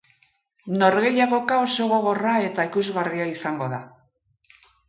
Norgehiagoka oso gogorra eta ikusgarria izango da.